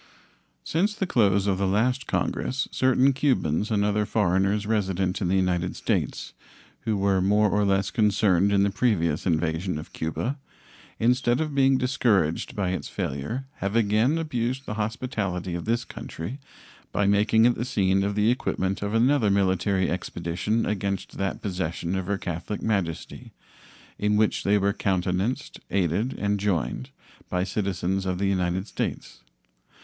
Since the close of the last Congress certain Cubans and other foreigners resident in the United States, who were more or less concerned in the previous invasion of Cuba, instead of being discouraged by its failure have again abused the hospitality of this country by making it the scene of the equipment of another military expedition against that possession of Her Catholic Majesty, in which they were countenanced, aided, and joined by citizens of the United States.